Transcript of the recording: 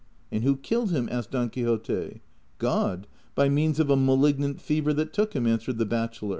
" And who killed him ?" asked Don Quixote. '' God, by means of a malignant fever that took him," answered the bachelor.